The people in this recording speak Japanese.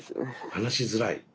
話しづらい？